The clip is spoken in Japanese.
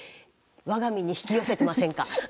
我が身に引き寄せてませんか。